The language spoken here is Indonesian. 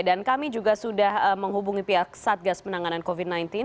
kami juga sudah menghubungi pihak satgas penanganan covid sembilan belas